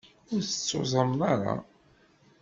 Ur tettuẓumeḍ ara.